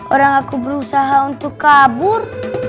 orang aku berusaha untuk kabur